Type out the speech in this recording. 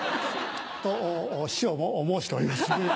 と師匠も申しております。